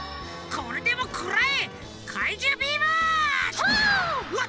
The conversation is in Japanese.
これでもくらえ！